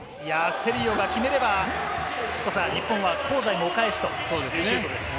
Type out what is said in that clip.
セリオが決めれば、日本は香西もお返しというシュートですよね。